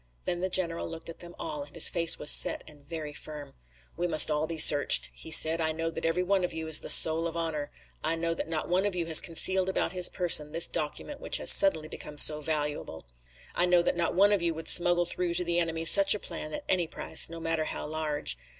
Then the general looked at them all, and his face was set and very firm. "We must all be searched," he said. "I know that every one of you is the soul of honor. I know that not one of you has concealed about his person this document which has suddenly become so valuable. I know that not one of you would smuggle through to the enemy such a plan at any price, no matter how large.